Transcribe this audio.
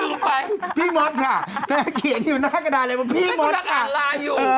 เล่าไปพี่มอดค่ะแค่เขียนอยู่หน้ากระดาษเลยพี่มอดค่ะนักอาราอยู่